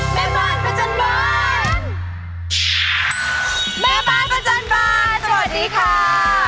เม่บ้านประจันบาลสวัสดีค่า